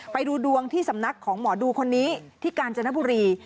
ไปดูดวงที่สำนักของหมอดูคนนี้ที่กาญจนบุรี